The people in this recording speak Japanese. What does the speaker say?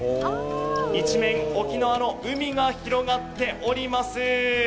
一面、沖縄の海が広がっております